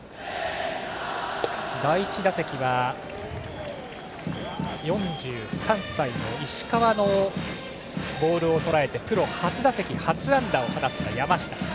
第１打席が４３歳の石川のボールをとらえてプロ初打席、初安打を放った山下。